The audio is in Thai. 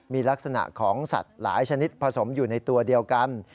มีลักษณะของสัตว์หลายชนิดผสมอยู่ในตัวเดียวกัน